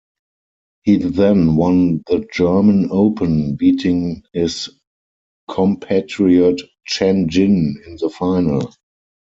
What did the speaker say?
He then won the German Open, beating his compatriot Chen Jin in the final.